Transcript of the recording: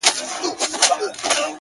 o پرېميږده ، پرېميږده سزا ده د خداى.